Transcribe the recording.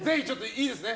いいですね。